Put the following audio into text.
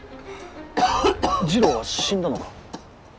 次郎は死んだのか。